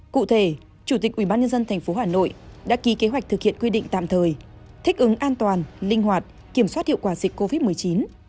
cụ thể chủ tịch ubnd tp hà nội đã ký kế hoạch thực hiện quy định tạm thời thích ứng an toàn linh hoạt kiểm soát hiệu quả dịch covid một mươi chín